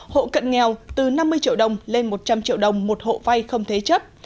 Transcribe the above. hộ cận nghèo từ năm mươi triệu đồng lên một trăm linh triệu đồng một hộ vay không thế chấp